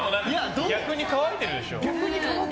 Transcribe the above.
逆に乾いてるでしょ。